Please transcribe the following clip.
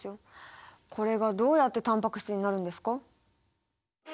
これがどうやってタンパク質になるんですか？